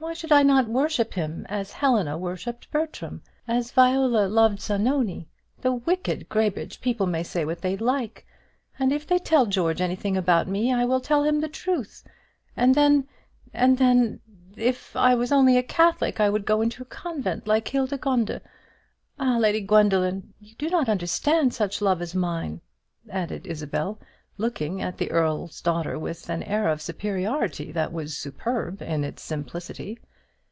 Why should I not worship him as Helena worshipped Bertram, as Viola loved Zanoni? The wicked Graybridge people may say what they like; and if they tell George anything about me, I will tell him the truth; and then and then, if I was only a Catholic, I would go into a convent like Hildegonde! Ah, Lady Gwendoline, you do not understand such love as mine!" added Isabel, looking at the Earl's daughter with an air of superiority that was superb in its simplicity.